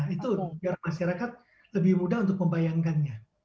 itu biar masyarakat lebih mudah untuk membayangkannya